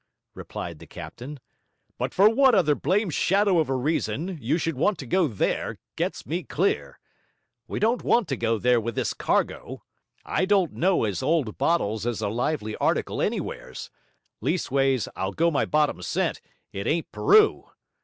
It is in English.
replied the captain. 'But for what other blame' shadow of a reason you should want to go there, gets me clear. We don't want to go there with this cargo; I don't know as old bottles is a lively article anywheres; leastways, I'll go my bottom cent, it ain't Peru.